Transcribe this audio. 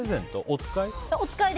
お使い？